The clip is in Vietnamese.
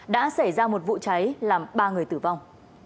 đã xảy ra một vụ cháy làm ba người tử vong